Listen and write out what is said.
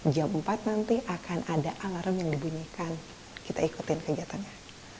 jam empat nanti akan ada alarm yang dibunyikan kita ikutin kegiatannya